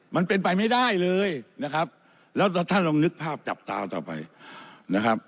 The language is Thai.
มันเป็นไปไม่ได้เลยนะครับแล้วท่านลองนึกภาพจับตาต่อไปนะครับ